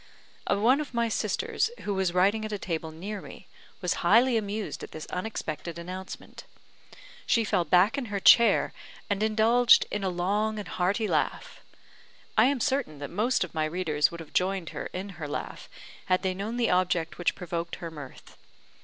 One of my sisters, who was writing at a table near me, was highly amused at this unexpected announcement. She fell back in her chair and indulged in a long and hearty laugh. I am certain that most of my readers would have joined in her laugh had they known the object which provoked her mirth.